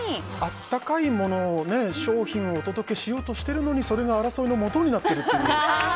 温かいもの商品をお届けしようとしてるのにそれが争いのもとになってるという。